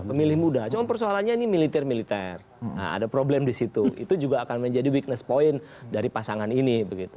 pemilih muda cuma persoalannya ini militer militer ada problem di situ itu juga akan menjadi weakness point dari pasangan ini